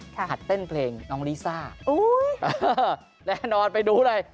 ตั้งจัดเต้นเพลงน้องริซ่าดูเลย